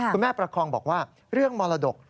ประคองบอกว่าเรื่องมรดก